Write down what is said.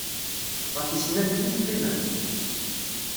Ɣef yisennanen i teqqimemt?